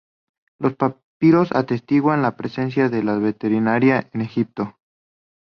Los papiros atestiguan la presencia de la veterinaria en Egipto.